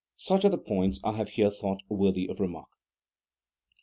Such are the points I have here thought worthy of remark.